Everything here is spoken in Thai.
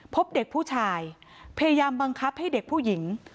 พบเด็กผู้ชายพยายามบังคับให้เด็กผู้หญิง